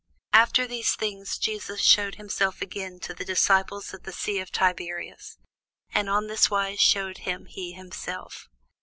After these things Jesus shewed himself again to the disciples at the sea of Tiberias; and on this wise shewed he himself.